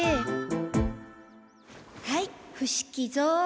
はい伏木蔵。